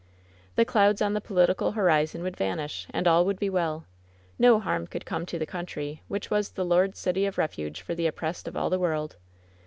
The clouds on the political horizon would vanish, and all would be welL No harm could come to the country, which was the Lord's City of Kefuge for the oppressed of all the world.